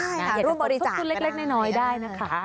ได้ค่ะร่วมบริจาคก็ได้ส่วนเล็กน้อยได้นะคะ